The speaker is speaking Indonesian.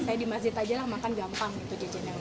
saya di masjid aja lah makan gampang gitu